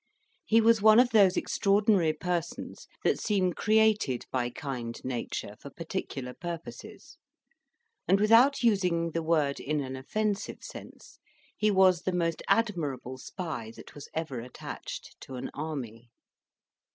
He was one of those extraordinary persons that seem created by kind nature for particular purposes; and, without using the word in an offensive sense, he was the most admirable spy that was ever attached to an army.